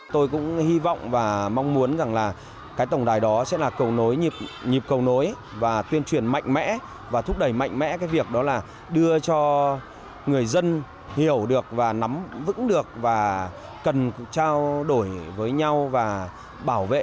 tôi cũng hy vọng và mong muốn rằng là cái tổng đài đó sẽ là cầu nối nhịp cầu nối và tuyên truyền mạnh mẽ và thúc đẩy mạnh mẽ cái việc đó là đưa cho người dân hiểu được và nắm vững được và cần trao đổi với nhau và bảo vệ